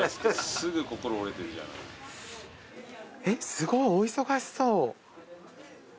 えっすごいお忙しそう。